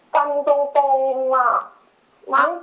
แต่ตรงตรงอ่ะมั้ง